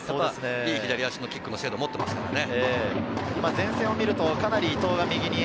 いい左足のキックの精度を持っていますからね。